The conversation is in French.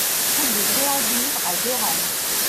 Route de Bréhadour à Guérande